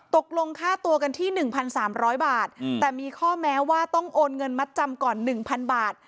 ตกลงค่าตัวกันที่๑๓๐๐บาทแต่มีข้อแม้ว่าต้องโอนเงินมัดจำก่อน๑๐๐บาท